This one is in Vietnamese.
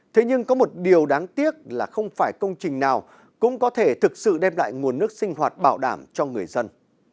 thế nhưng có một điều đáng tiếc là không phải công trình nào cũng có thể thực sự đem lại nguồn nước sinh hoạt bảo đảm cho người dân